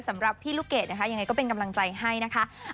สำหรับพี่ลูกเกดนะคะยังไงก็เป็นกำลังใจให้นะคะ